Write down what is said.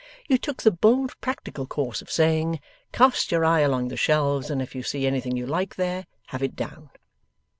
you took the bold practical course of saying, 'Cast your eye along the shelves, and, if you see anything you like there, have it down.